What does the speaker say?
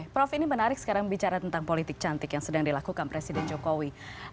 prof ini menarik sekarang bicara tentang politik cantik yang sedang dilakukan presiden jokowi